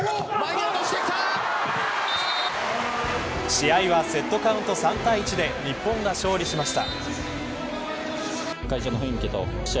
試合はセットカウント３対１で日本が勝利しました。